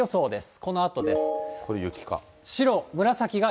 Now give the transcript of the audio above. これ、雪か？